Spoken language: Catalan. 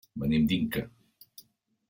Venim d'Inca.